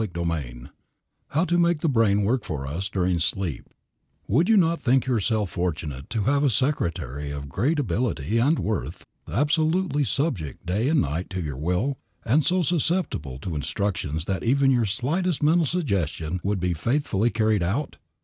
CHAPTER XIII HOW TO MAKE THE BRAIN WORK FOR US DURING SLEEP Would you not think yourself fortunate to have a secretary of great ability and worth absolutely subject, day and night, to your will, and so susceptible to instructions that even your slightest mental suggestion would be faithfully carried out?